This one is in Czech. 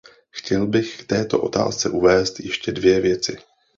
Chtěl bych k této otázce uvést ještě dvě věci.